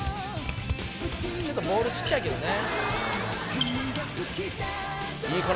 ちょっとボールちっちゃいけどねいい体！